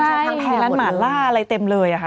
ใช่ร้านหมาล่าอะไรเต็มเลยอะค่ะ